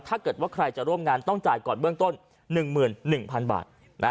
ถ้าเกิดว่าใครจะร่วมงานต้องจ่ายก่อนเบื้องต้น๑๑๐๐๐บาท